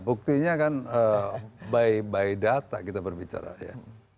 buktinya kan by by data kita berbicara ya